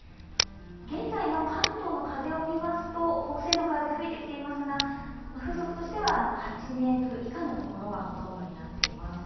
現在の関東の風を見ますと、北西の風が吹いてきていますが風速としては８メートル以下のところがほとんどになっています。